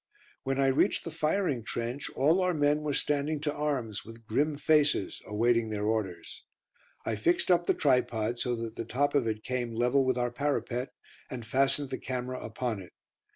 When I reached the firing trench all our men were standing to arms, with grim faces, awaiting their orders. I fixed up the tripod so that the top of it came level with our parapet, and fastened the camera upon it.